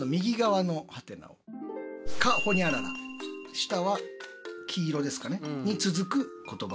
下は黄色ですかねに続く言葉。